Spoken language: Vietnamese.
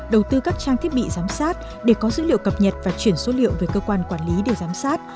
đầu tư các trang thiết bị giám sát để có dữ liệu cập nhật và chuyển số liệu về cơ quan quản lý để giám sát